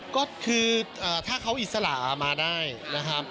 ก็คือถ้าเขาอิสระมาได้นะครับ